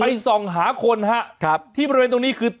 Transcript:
ไปส่องหาคนฮะที่ประเภทตรงนี้คือ